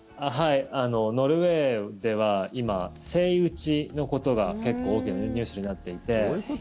ノルウェーでは今セイウチのことが結構大きなニュースになっていて。